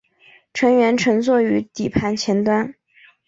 乘员乘坐于底盘前端。